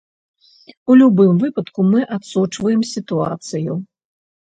У любым выпадку, мы адсочваем сітуацыю.